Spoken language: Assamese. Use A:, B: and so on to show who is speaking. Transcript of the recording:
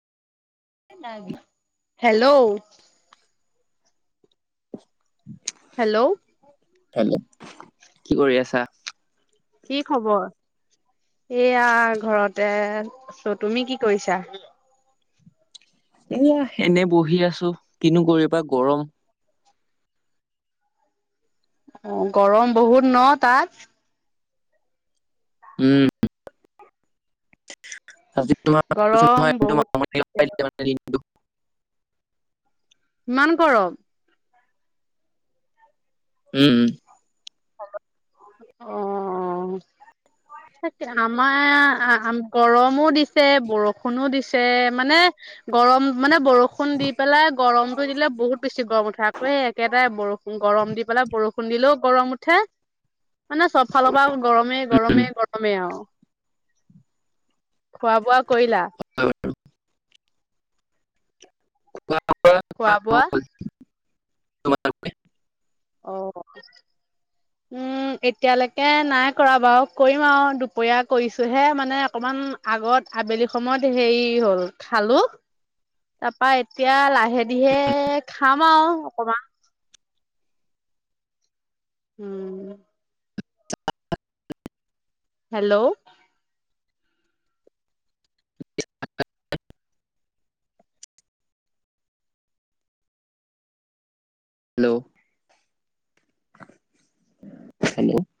A: হেল্ল'
B: [inaudible]
A: হেল্ল'
B: কি কৰি আছা
A: কি খবৰ এইয়া ঘৰতে চ তুমি কি কৰিছা?
B: এয়া এনে বহি আছোঁ, কিনো কৰিবা গৰম
A: অ গৰম বহুত ন তাত?
B: উম। [unintelligible]
A: গৰম বহুত
B: [unintelligible] হ'ল।
A: ইমান গৰম?
B: উম। উম।
A: অ তাক আমাৰ গৰমোঁ দিছে, বৰষুণোঁ দিছে, মানে গৰম মানে বৰষুণ দি পেলাই গৰমতটো দিলে বহুত বেছি গৰম উ তাতো একেটাই, বৰষুণ গৰম দি পেলাই বৰষুণ দিলেও গৰম। ঠা মানে চব ফালৰ পৰা গৰমে,
B: উম।
A: গৰমে, গৰমে আৰু খোৱা বোৱা কৰিলা?
B: হয় বাৰু।
A: খোৱা বোৱা?
B: তমাৰ তাক?
A: অ, উম, এ এতিয়ালৈকে নাই কৰা বাৰু কৰিম আৰু দুপৰীয়া কৰিছোহে মানে অকমান, আগত আবেলি সময়ত, হেৰি খালোঁ, তাৰপা এতিয়া লাহে ধিৰে খাম আৰু অকমান। উম। হেল্ল'?
B: হেল্ল'? হেল্ল'?